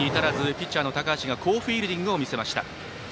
ピッチャーの高橋が好フィールディングを見せました。